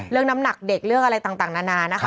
น้ำหนักเด็กเรื่องอะไรต่างนานานะคะ